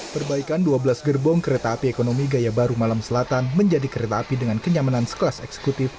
perbaikan dua belas gerbong kereta api ekonomi gaya baru malam selatan menjadi kereta api dengan kenyamanan sekelas eksekutif